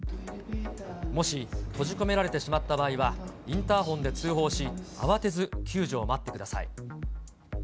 もし閉じ込められてしまった場合は、インターホンで通報し、慌てず救助を待ってください。